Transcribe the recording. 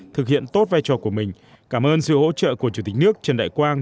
thực hiện tốt vai trò của mình cảm ơn sự hỗ trợ của chủ tịch nước trần đại quang